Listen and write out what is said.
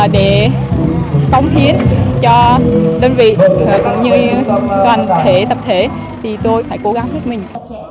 để phóng thiến cho đơn vị cũng như toàn thể tập thể thì tôi phải cố gắng hết mình